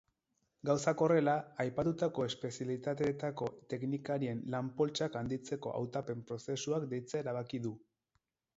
Gauzak horrela, aipatutako espezialitateetako teknikarien lan-poltsak handitzeko hautapen-prozesuak deitzea erabaki du.